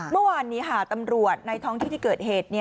เมื่อวานนี้ค่ะตำรวจในท้องที่ที่เกิดเหตุ